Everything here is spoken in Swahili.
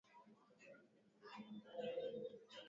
amepata pingamizi kutoka pengine viongozi wanaofanya kazi naoa